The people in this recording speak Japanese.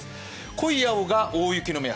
濃い青が大雪の目安。